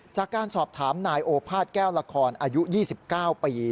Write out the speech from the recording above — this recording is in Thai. จากการสอบถามนายโอภาษแก้วละครอายุ๒๙ปี